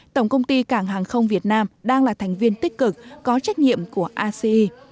tổng công ty cảng hàng không việt nam đang là thành viên tích cực có trách nhiệm của asee